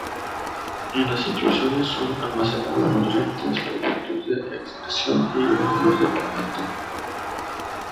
En las inclusiones son almacenados nutrientes, productos de excreción, y gránulos de pigmento.